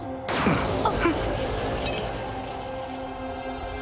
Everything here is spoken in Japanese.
あっ！